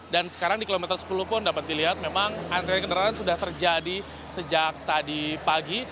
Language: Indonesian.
dan sekarang di kilometer sepuluh pun dapat dilihat memang antrean kendaraan sudah terjadi sejak tadi pagi